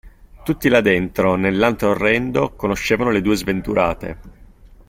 Tutti là dentro, nell'antro orrendo, conoscevano le due sventurate.